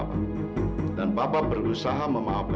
bukan itu sebenarnya pak